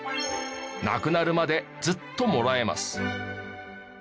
亡くなるまでずっともらえます。